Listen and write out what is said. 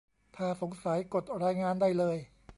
ถ้าสงสัย กดรายงานได้เลย